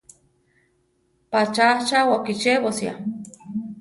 Patzá achá wakichébosia.